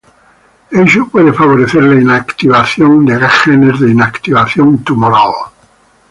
Ello puede favorecer la inactivación de genes de inactivación tumoral.